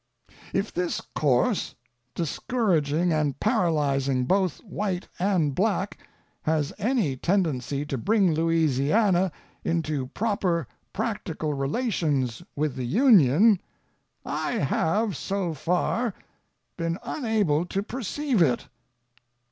If this course, discouraging and paralyzing both white and black, has any tendency to bring Louisiana into proper practical relations with the Union, I have, so far, been unable to perceive it.